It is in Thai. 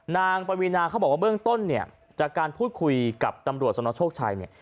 นางปวินาเขาบอกว่าเบื้องต้นจากการพูดคุยกับตำรวจสนชกชัย